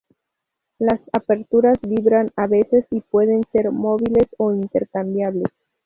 Las aperturas vibran a veces y pueden ser movibles o intercambiables.